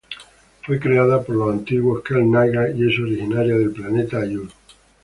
Fue creada por los antiguos Xel'Naga y es originaria del planeta Aiur.